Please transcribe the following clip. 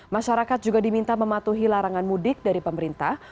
masyarakat juga diminta mematuhi larangan mudik dari pemerintah